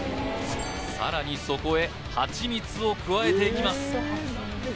さらにそこへはちみつを加えていきます